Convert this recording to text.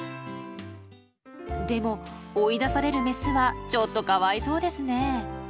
でも追い出されるメスはちょっとかわいそうですねえ。